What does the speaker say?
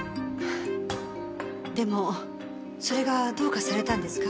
でもそれがどうかされたんですか？